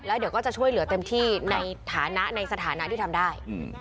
เดี๋ยวก็จะช่วยเหลือเต็มที่ในฐานะในสถานะที่ทำได้